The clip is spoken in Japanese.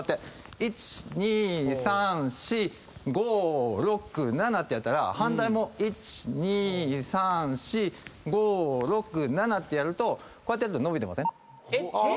１２３４５６７ってやったら反対も１２３４５６７ってやるとこうやってやると伸びてません？